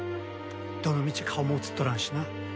どのみち顔も映っとらんしな。